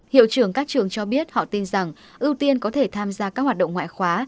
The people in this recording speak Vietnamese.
hiệu trưởng các trường cho biết họ tin rằng ưu tiên có thể tham gia các hoạt động ngoại khóa